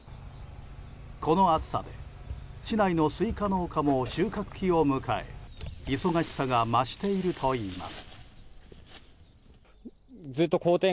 この暑さで市内のスイカ農家も収穫期を迎え忙しさが増しているといいます。